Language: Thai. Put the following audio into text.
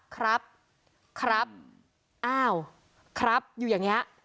ครับครับอ้าวครับอยู่อย่างนี้